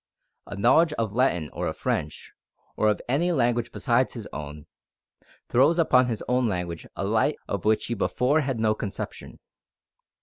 A knowledge of Latin or of French, or of any language besides his own, throws upon his own language a light of which he before had no conception.